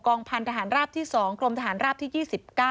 พันธหารราบที่๒กรมทหารราบที่๒๙